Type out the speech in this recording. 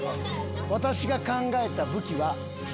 私が考えた武器は。